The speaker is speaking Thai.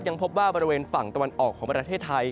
ยังพบว่าบริเวณฝั่งตะวันออกของประเทศไทย